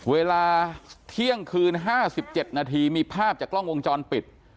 เวลาเที่ยงคืน๕๗นาทีมีภาพจากกล้องวงจรปิด